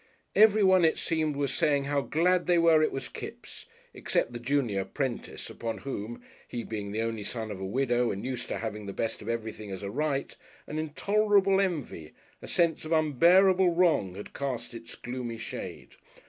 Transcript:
Everyone, it seemed, was saying how glad they were it was Kipps, except the junior apprentice, upon whom he being the only son of a widow and used to having the best of everything as a right an intolerable envy, a sense of unbearable wrong, had cast its gloomy shade.